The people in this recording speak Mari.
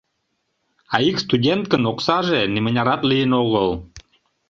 А ик студенткын оксаже нимынярат лийын огыл.